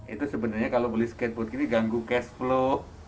itu sebenarnya kalau beli skateboard gini ganggu cash flow